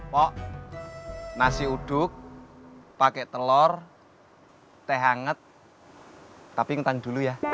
pok nasi uduk pakai telur teh hangat tapi kentang dulu ya